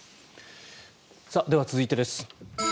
では、続いてです。